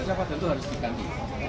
siapa tentu harus di ganti